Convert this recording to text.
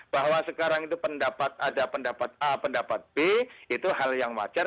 bahwa sekarang itu pendapat ada pendapat a pendapat b itu hal yang wajar